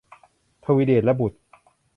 ทวีเดชและบุตร